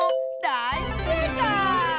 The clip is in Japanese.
だいせいかい！